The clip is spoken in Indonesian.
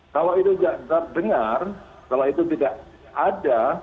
kalau itu tidak terdengar kalau itu tidak ada